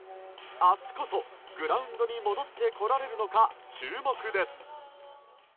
明日こそ、グラウンドに戻ってこられるのか注目です。